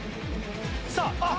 さぁあっ